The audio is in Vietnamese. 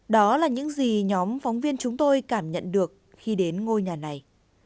đó là những gì nhóm phóng viên chúng tôi cảm nhận được khi đến ngôi nhà này